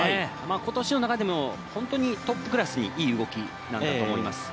今年の中でも本当にトップクラスにいい動きなんだと思います。